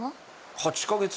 ８か月前。